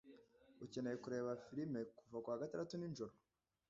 Ukeneye kureba firime kuwa gatandatu nijoro?